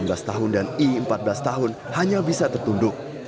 sembilan belas tahun dan i empat belas tahun hanya bisa tertunduk